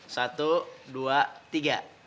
satu dua tiga